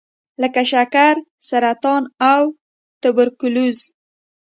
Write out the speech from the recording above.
لکه شکر، سرطان او توبرکلوز.